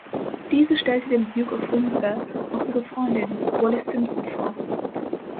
Diese stellte dem Duke of Windsor auch ihre Freundin, Wallis Simpson, vor.